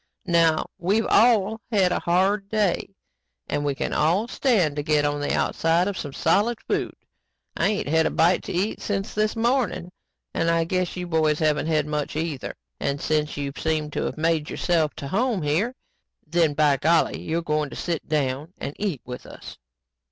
"Now we've all had a hard day and we can all stand to get on the outside of some solid food. I ain't had a bite to eat since this morning and I guess you boys haven't had much either. And since you've seemed to have made yourselves to home here, then by golly, you're going to sit down and eat with us.